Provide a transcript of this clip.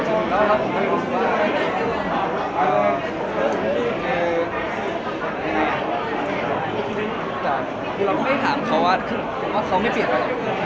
ผมไม่ได้ถามเขาว่าเขาไม่เปลี่ยนไปหรอก